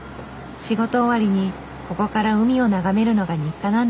仕事終わりにここから海を眺めるのが日課なんだって。